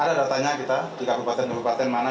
ada datanya kita di kabupaten kabupaten mana